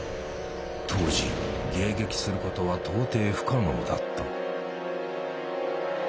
当時迎撃することは到底不可能だった。